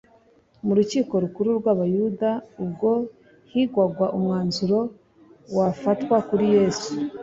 Mu rukiko rukuru rw’Abayuda, ubwo higwaga umwanzuro wafatwa kuri Yesu